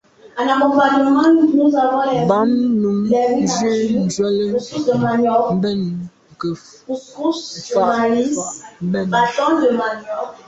Bam num njù njwèle mbèn nke nfà’ fà’ ben.